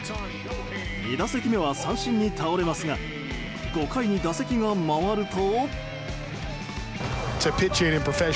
２打席目は三振に倒れますが５回に打席が回ると。